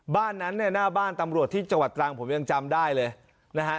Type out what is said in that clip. บ้านนั้นเนี่ยหน้าบ้านตำรวจที่จังหวัดตรังผมยังจำได้เลยนะฮะ